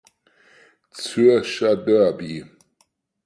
Zürcher Derby.